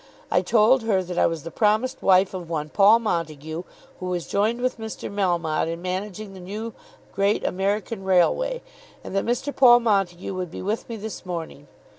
I told her that I was the promised wife of one Paul Montague, who was joined with Mr. Melmotte in managing the new great American railway, and that Mr. Paul Montague would be with me this morning.